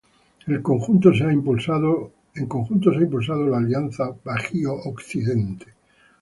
En conjunto se ha impulsado la Alianza Bajío-Occidente.